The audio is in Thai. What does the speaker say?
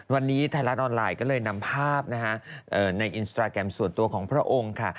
วันนี้ไทยรัฐออนไลน์ก็เลยนำภาพนะคะในอินสตราแกรมส่วนตัวของพระองค์ค่ะ